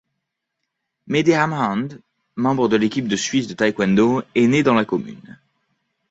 Mehdi Amhand, membre de l'équipe de suisse de taekwondo, est né dans la commune.